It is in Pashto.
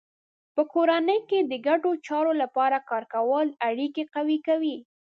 په کورنۍ کې د ګډو چارو لپاره کار کول اړیکې قوي کوي.